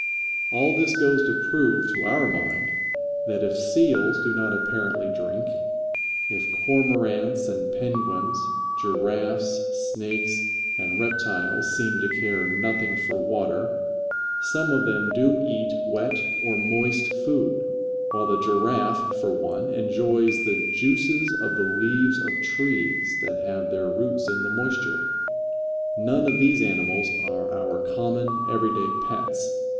All this goes to prove to our mind that if Seals do not apparently drink, if Cormorants and Penguins, Giraffes, Snakes, and Reptiles seem to care nothing for water, some of them do eat wet or moist food, while the Giraffe, for one, enjoys the juices of the leaves of trees that have their roots in the moisture. None of these animals are our common, everyday pets.